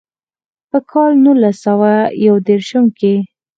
پۀ کال نولس سوه يو ديرشم کښې